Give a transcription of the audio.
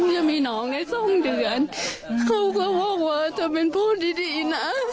จะมีน้องในทรงเดือนเขาก็ว่าจะเป็นพ่อที่ดีน่ะ